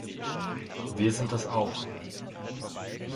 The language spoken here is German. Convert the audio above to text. Wir sind das auch.